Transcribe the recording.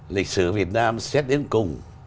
lịch sử việt nam xét đến cùng